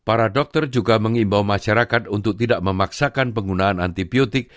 para dokter juga mengimbau masyarakat untuk tidak memaksakan penggunaan antibiotik